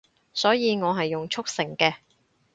所以我係用速成嘅